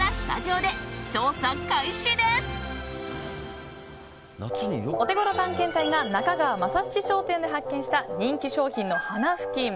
オテゴロ探検隊が中川政七商店で発見した人気商品の花ふきん。